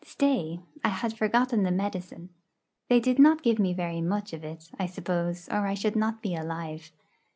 Stay I had forgotten the medicine. They did not give me very much of it, I suppose, or I should not be alive.